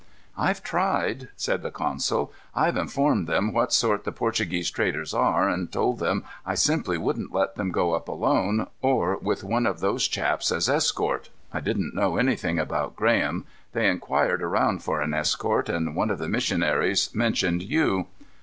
"I've tried," said the consul. "I've informed them what sort the Portuguese traders are, and told them I simply wouldn't let them go up alone, or with one of those chaps as escort. I didn't know anything about Graham. They inquired around for an escort, and one of the missionaries mentioned you."